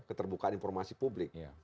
keterbukaan informasi publik